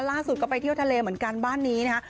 ล่าสุดก็ไปเที่ยวทะเลเหมือนกันบ้านนี้นะคะ